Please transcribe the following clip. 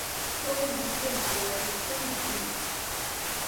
周宁县古为七闽地。